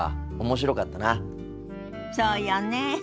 そうよね。